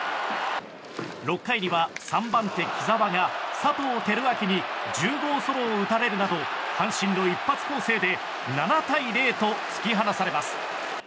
６回には３番手、木澤が佐藤輝明に１０号ソロをを打たれるなど阪神の一発攻勢で突き放されます。